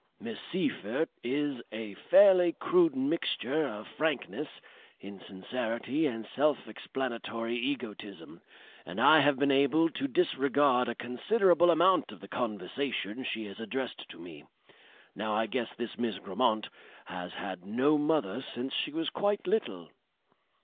Miss Seyffert is a fairly crude mixture of frankness, insincerity and self explanatory egotism, and I have been able to disregard a considerable amount of the conversation she has addressed to me. Now I guess this Miss Grammont has had no mother since she was quite little."